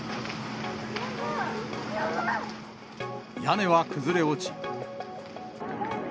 屋根は崩れ落ち。